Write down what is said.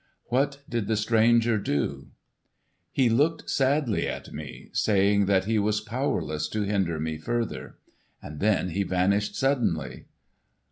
"What did the stranger do?" "He looked sadly at me, saying that he was powerless to hinder me further. Then he vanished suddenly."